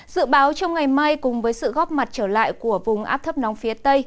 dự báo trong ngày mai cùng với sự góp mặt trở lại của vùng áp thấp nóng phía tây